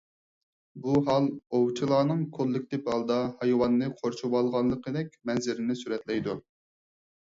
بۇ ھال ئوۋچىلارنىڭ كوللېكتىپ ھالدا ھايۋاننى قورشىۋالغانلىقىدەك مەنزىرىنى سۈرەتلەيدۇ.